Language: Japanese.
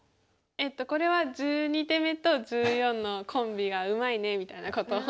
えっとこれは１２手目と１４のコンビが「うまいね」みたいなことを。